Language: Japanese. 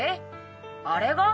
「あれ」が？